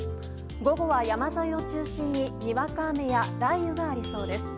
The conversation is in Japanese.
午後は山沿いを中心ににわか雨や雷雨がありそうです。